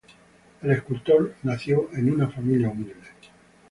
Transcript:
El escultor nació en una familia humilde.